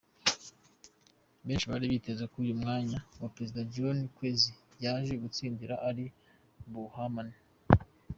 Benshi bari biteze ko uyu mwanya wa Perezida, John Kwezi yaje gutsindira ari buwuhamane.